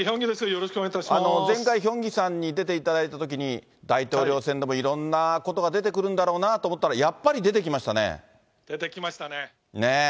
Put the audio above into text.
前回ヒョンギさんに出ていただいたときに、大統領選でもいろんなことが出てくるんだろうなと思ったら、やっぱり出てきました出てきましたね。